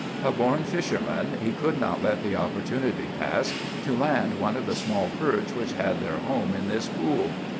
A born fisherman, he could not let the opportunity pass to land one of the small perch which had their home in this pool.